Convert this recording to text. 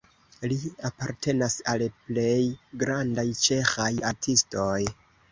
Li apartenas al plej grandaj ĉeĥaj artistoj.